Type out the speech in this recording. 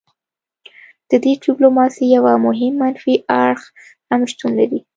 د دې ډیپلوماسي یو مهم منفي اړخ هم شتون لري